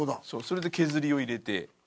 それで削りを入れて。